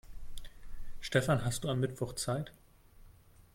Stefan, hast du am Mittwoch Zeit?